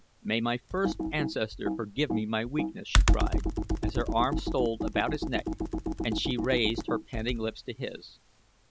"May my first ancestor forgive me my weakness," she cried, as her arms stole about his neck and she raised her panting lips to his.